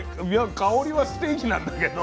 香りはステーキなんだけど。